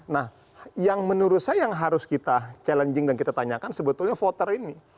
nah yang menurut saya yang harus kita challenging dan kita tanyakan sebetulnya voter ini